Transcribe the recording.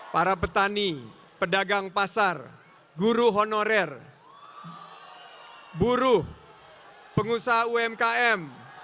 para petani pedagang pasar guru honorer buruh pengusaha umkm